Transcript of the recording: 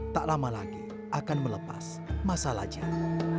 tak lama lagi akan melepas masalah jahat